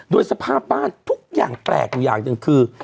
โดยสภาพบ้านทุกอย่างแปลกอยู่อย่างหนึ่งคือ